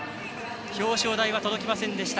表彰台は届きませんでした。